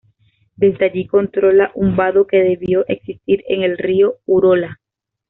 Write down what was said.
Desde allí controlaba un vado que debió existir en el río Urola.